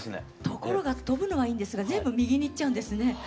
ところが飛ぶのはいいんですが全部右に行っちゃうんですね。